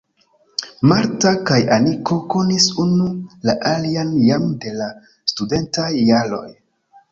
Marta kaj Aniko konis unu la alian jam de la studentaj jaroj.